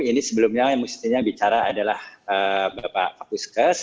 ini sebelumnya yang mestinya bicara adalah bapak kapuskes